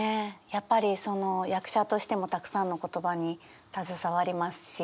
やっぱりその役者としてもたくさんの言葉に携わりますし。